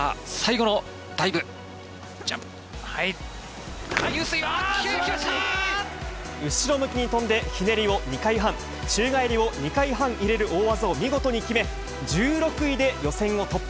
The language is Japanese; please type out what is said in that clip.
後ろ向きに飛んで、ひねりを２回半、宙返りを２回半入れる大技を見事に決め、１６位で予選を突破。